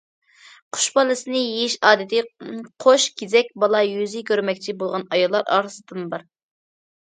قۇش بالىسىنى يېيىش ئادىتى قوش كېزەك بالا يۈزى كۆرمەكچى بولغان ئاياللار ئارىسىدىمۇ بار.